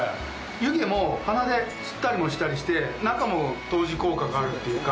湯気も、鼻で吸ったりもしたりして、中も湯治効果があるっていうか。